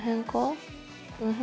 うん。